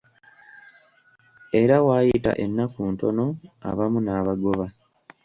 Era waayita ennaku ntono abamu n'abagoba.